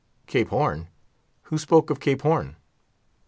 "Cape Horn?—who spoke of Cape Horn?"